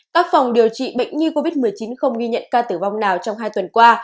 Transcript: các phòng điều trị bệnh nhi covid một mươi chín không ghi nhận ca tử vong nào trong hai tuần qua